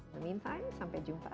memintain sampai jumpa